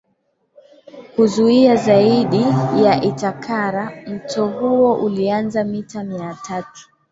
kuizuia Zaidi ya Itacara mto huo ulianzia mita miatatu